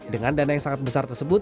dengan dana yang sangat berharga